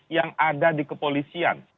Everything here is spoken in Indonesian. yang ada di kepolisian